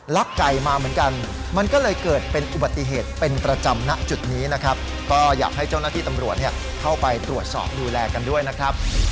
ไก่มาเหมือนกันมันก็เลยเกิดเป็นอุบัติเหตุเป็นประจำณจุดนี้นะครับก็อยากให้เจ้าหน้าที่ตำรวจเข้าไปตรวจสอบดูแลกันด้วยนะครับ